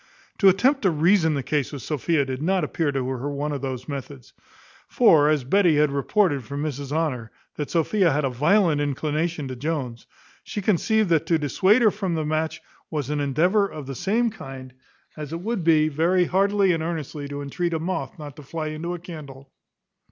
To attempt to reason the case with Sophia did not appear to her one of those methods: for as Betty had reported from Mrs Honour, that Sophia had a violent inclination to Jones, she conceived that to dissuade her from the match was an endeavour of the same kind, as it would be very heartily and earnestly to entreat a moth not to fly into a candle.